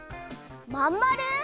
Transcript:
まんまる！？